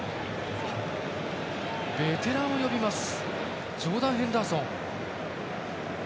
ベテランを呼びます。